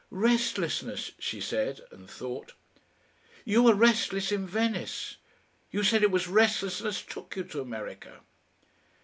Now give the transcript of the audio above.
"Restlessness," she said, and thought. "You were restless in Venice. You said it was restlessness took you to America."